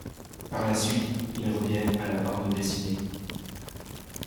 Par la suite, il revient à la bande dessinée.